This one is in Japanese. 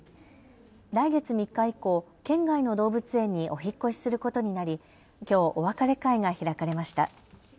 来月３日以降、県外の動物園にお引っ越しすることになりきょうお別れ会が開かれました。